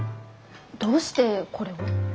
どうしてこれを？